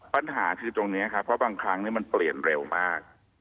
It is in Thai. ปัญหาคือตรงนี้ครับเพราะบางครั้งมันเปลี่ยนเร็วมาก